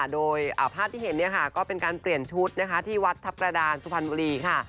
โดยภาพที่เห็นก็เป็นการเปลี่ยนชุดนะคะที่วัดทัพกระดานสุพรรณบุรีค่ะ